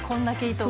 糸